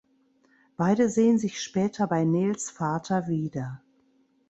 Beide sehen sich später bei Nels Vater wieder.